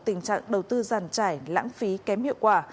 tình trạng đầu tư giàn trải lãng phí kém hiệu quả